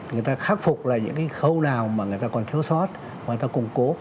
người ta khắc phục là những cái khâu nào mà người ta còn thiếu sót người ta củng cố